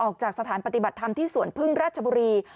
ออกจากสถานปฏิบัติธรรมที่สวนพึ่งราชบุรี